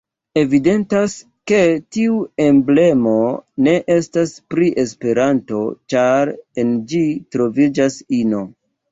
Evidentas ke tiu emblemo ne estas pri Esperanto, ĉar en ĝi troviĝas ino.